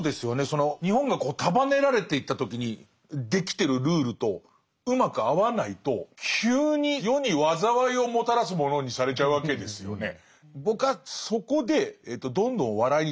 その日本が束ねられていった時にできてるルールとうまく合わないと急に世に災いをもたらす者にされちゃうわけですよね。